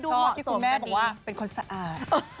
ที่คุณแม่บอกว่าเป็นคนสะอาด